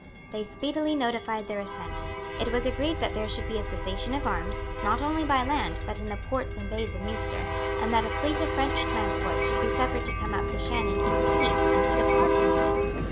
They speedily notified their assent. It was agreed that there should be a cessation of arms, not only by land, but in the ports and bays of Munster, and that a fleet of French transports should be suffered to come up the Shannon in peace and to depart in peace.